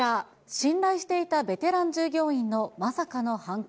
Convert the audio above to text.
信頼していたベテラン従業員のまさかの犯行。